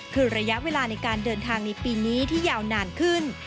คือระยะเวลาในการเดินทางในปีนี้ที่ยาวนานขึ้น